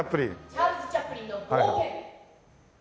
『チャールズ・チャップリンの冒険』。